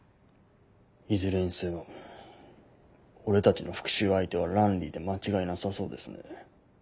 いずれにせよ俺たちの復讐相手はランリーで間違いなさそうですね。